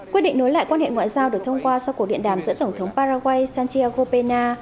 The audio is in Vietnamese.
quyết định nối lại quan hệ ngoại giao được thông qua sau cuộc điện đàm giữa tổng thống paraguay santia gopena